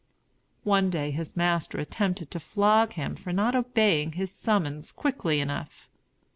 One day his master attempted to flog him for not obeying his summons quickly enough.